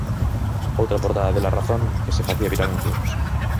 Outra portada de La Razón que se facía viral un luns.